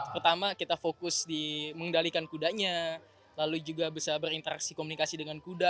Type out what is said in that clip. pertama kita fokus di mengendalikan kudanya lalu juga bisa berinteraksi komunikasi dengan kuda